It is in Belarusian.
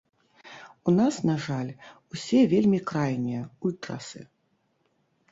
У нас, на жаль, усе вельмі крайнія, ультрасы.